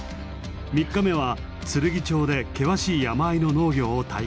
３日目はつるぎ町で険しい山あいの農業を体験。